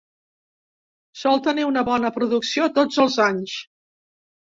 Sol tenir una bona producció tots els anys.